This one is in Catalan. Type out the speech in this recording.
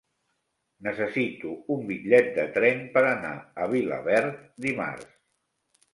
Necessito un bitllet de tren per anar a Vilaverd dimarts.